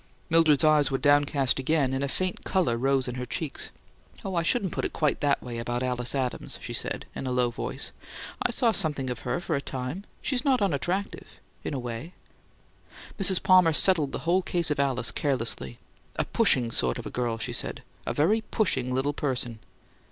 Mildred's eyes were downcast again, and a faint colour rose in her cheeks. "Oh, I shouldn't put it quite that way about Alice Adams," she said, in a low voice. "I saw something of her for a time. She's not unattractive in a way." Mrs. Palmer settled the whole case of Alice carelessly. "A pushing sort of girl," she said. "A very pushing little person."